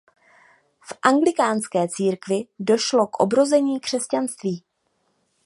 V Anglikánské církvi došlo k obrození křesťanství.